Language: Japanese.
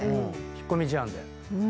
引っ込み思案で。